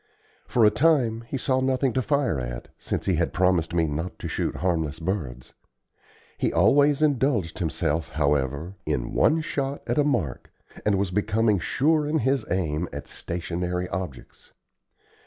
For a time he saw nothing to fire at, since he had promised me not to shoot harmless birds. He always indulged himself, however, in one shot at a mark, and was becoming sure in his aim at stationary objects.